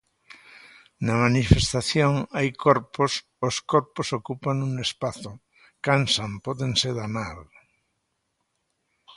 Na manifestación hai corpos, os corpos ocupan un espazo, cansan, pódense danar.